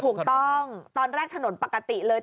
ถูกต้องตอนแรกถนนปกติเลย